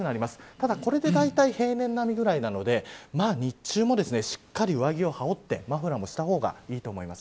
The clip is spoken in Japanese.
ただ、これでだいたい平年並みぐらいなので日中も、しっかり上着を羽織ってマフラーもした方がいいと思います。